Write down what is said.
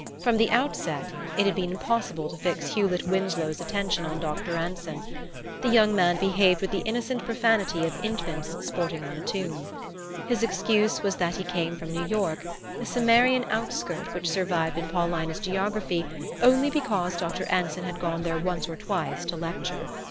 From the outset it had been impossible to fix Hewlett Winsloe's attention on Dr. Anson. The young man behaved with the innocent profanity of infants sporting on a tomb. His excuse was that he came from New York, a Cimmerian outskirt which survived in Paulina's geography only because Dr. Anson had gone there once or twice to lecture.